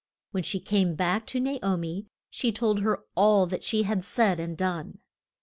When she came back to Na o mi she told her all that she had said and done.